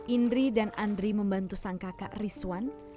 indri dan andri membantu sang kakak rizwan